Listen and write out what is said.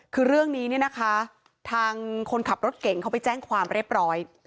คือเรื่องนี้เนี่ยนะคะทางคนขับรถเก่งเขาไปแจ้งความเรียบร้อย